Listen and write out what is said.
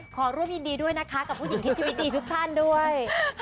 ขอร่วมยินดีด้วยนะคะกับผู้หญิงที่ชีวิตดีทุกท่านด้วย